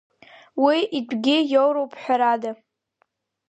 Уи итәгьы иоуроуп ҳәарада.